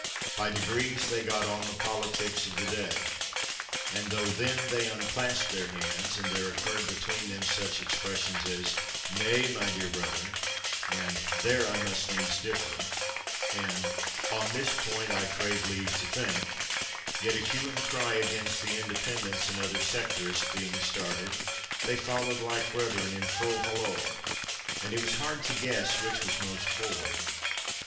By degrees they got on the politics of the day; and though then they unclasped their hands, and there occurred between them such expressions as, "Nay, my dear brother," and, "there I must needs differ," and, "on this point I crave leave to think;" yet a hue and cry against the Independents and other sectarists being started, they followed like brethren in full hollo, and it was hard to guess which was most forward.